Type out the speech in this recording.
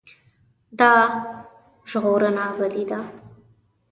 دا ژغورنه ابدي ده.